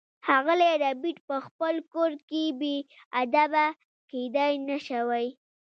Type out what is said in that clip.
ښاغلی ربیټ په خپل کور کې بې ادبه کیدای نشوای